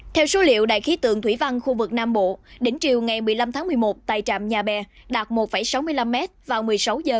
theo số liệu đại khí tượng thủy văn khu vực nam bộ đỉnh chiều ngày một mươi năm tháng một mươi một tại trạm nhà bè đạt một sáu mươi năm m vào một mươi sáu h